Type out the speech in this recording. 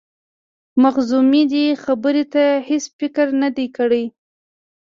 مخزومي دې خبرې ته هیڅ فکر نه دی کړی.